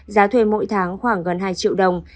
giá thuê mỗi tháng khoảng gần hai triệu đồng